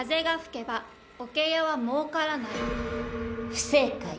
不正解。